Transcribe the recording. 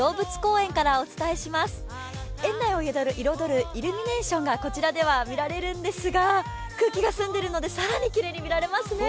園内を彩るイルミネーションがこちらでは見られるんですが空気が澄んでるので更にきれいにみられますね。